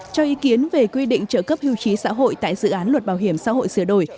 cho ý kiến về quy định trợ cấp hưu trí xã hội tại dự án luật bảo hiểm xã hội sửa đổi